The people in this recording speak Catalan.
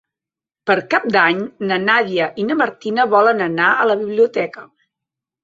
Per Cap d'Any na Nàdia i na Martina volen anar a la biblioteca.